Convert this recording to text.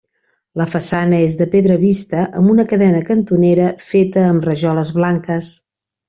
La façana és de pedra vista amb una cadena cantonera feta amb rajoles blanques.